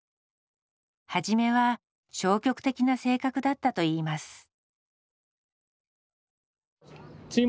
初めは消極的な性格だったといいます。